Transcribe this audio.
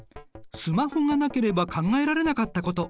スマホがなければ考えられなかったこと。